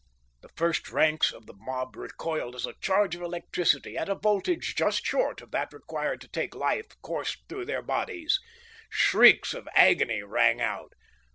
The first ranks of the mob recoiled as a charge of electricity at a voltage just short of that required to take life coursed through their bodies. Shrieks of agony rang out.